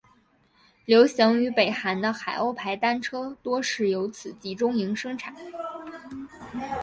流行于北韩的海鸥牌单车多是由此集中营生产。